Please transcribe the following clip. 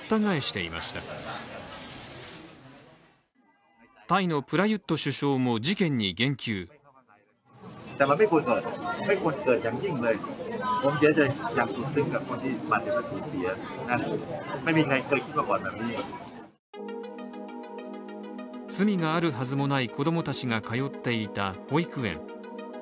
罪があるはずもない子供たちが通っていた保育園。